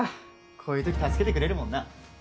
こういうとき助けてくれるもんな。